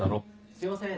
すいません。